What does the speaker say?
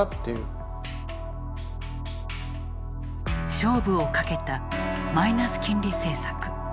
勝負をかけたマイナス金利政策。